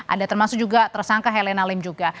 ada termasuk juga tersangka helena lim juga